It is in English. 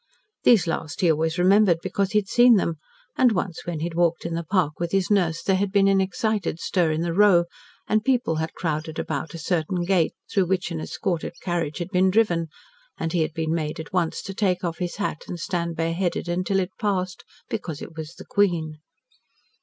These last he always remembered, because he had seen them, and once when he had walked in the park with his nurse there had been an excited stir in the Row, and people had crowded about a certain gate, through which an escorted carriage had been driven, and he had been made at once to take off his hat and stand bareheaded until it passed, because it was the Queen.